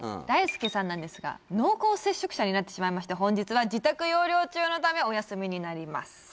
大輔さんなんですが濃厚接触者になってしまいまして本日は自宅療養中のためお休みになります